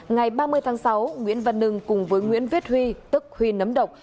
ngày ba mươi tháng sáu nguyễn văn nưng cùng với nguyễn viết huy tức huy nấm độc